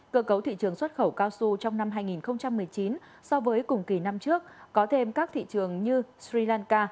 cơ cấu thị trường xuất khẩu cao su trong năm hai nghìn một mươi chín so với cùng kỳ năm trước có thêm các thị trường như sri lanka